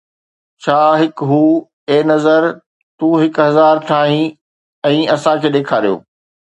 ڇا هڪ هو، اي نظر، تو هڪ هزار ٺاهي ۽ اسان کي ڏيکاريو